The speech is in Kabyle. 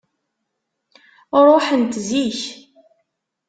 Ruḥent zik.